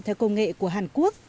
theo công nghệ của hàn quốc